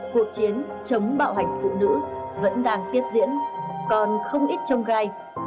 cuộc chiến chống bạo hành phụ nữ vẫn đang tiếp diễn còn không ít trông gai